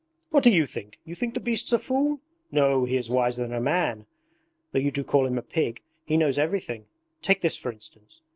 'What do you think? You think the beast's a fool? No, he is wiser than a man though you do call him a pig! He knows everything. Take this for instance.